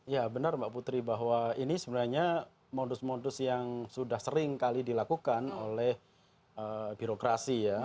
ya benar mbak putri bahwa ini sebenarnya modus modus yang sudah sering kali dilakukan oleh birokrasi ya